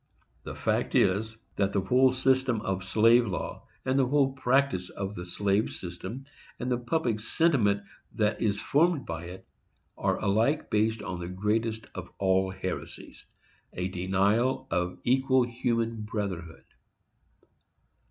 The fact is, that the whole system of slave law, and the whole practice of the slave system, and the public sentiment that is formed by it, are alike based on the greatest of all heresies, a denial of equal human brotherhood.